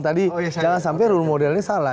tadi jangan sampai role modelnya salah